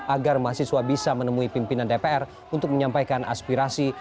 agar mahasiswa bisa menemui pimpinan dpr untuk menyampaikan aspirasi